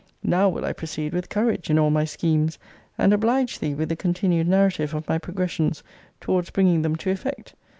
Now will I proceed with courage in all my schemes, and oblige thee with the continued narrative of my progressions towards bringing them to effect!